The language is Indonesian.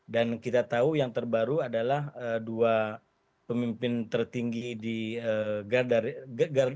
dan kita tahu yang terbaru adalah dua pemimpin tertinggi di gaza